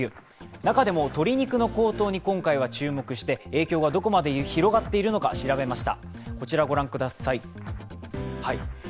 中でも鶏肉の高騰に今回は注目して、影響がどこまで広がっているのか調べました。